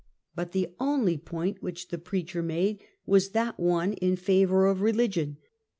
But, the only point which the preacher made, was that one in favor of religion.